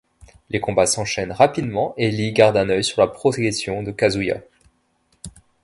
Les combats s'enchaînent rapidement, et Lee garde un œil sur la progression de Kazuya.